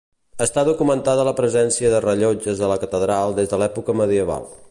Està documentada la presència de rellotges a la catedral des de l'època medieval.